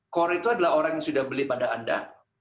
core itu adalah orang yang sudah beli pada anda